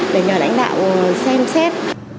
để nhờ lãnh đạo xem xét